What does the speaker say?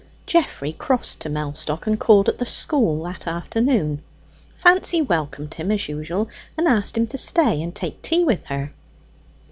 Geoffrey crossed to Mellstock and called at the school that afternoon. Fancy welcomed him as usual, and asked him to stay and take tea with her.